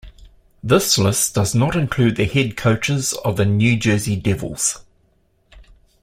This list does not include the head coaches of the New Jersey Devils.